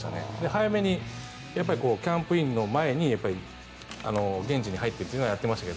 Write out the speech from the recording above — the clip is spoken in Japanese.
早めに、キャンプインの前に現地に入ってというのはやってました。